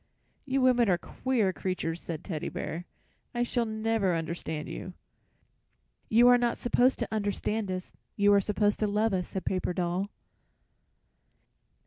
"You women are queer creatures," said Teddy Bear. "I shall never understand you." "You are not supposed to understand us. You are supposed to love us," said Paper Doll.